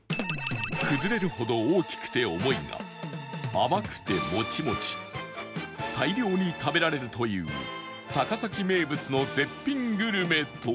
崩れるほど大きくて重いが甘くてもちもち大量に食べられるという高崎名物の絶品グルメとは？